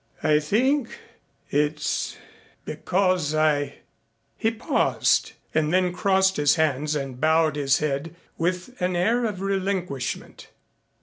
"I think it's because I " He paused and then crossed his hands and bowed his head with an air of relinquishment.